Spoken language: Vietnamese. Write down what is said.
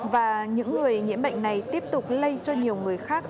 và những người nhiễm bệnh này tiếp tục lây cho nhiều người khác